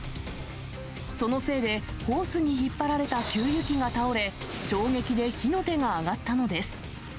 そのせいで、ホースに引っ張られた給油機が倒れ、衝撃で火の手が上がったのです。